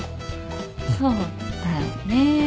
そうだよね。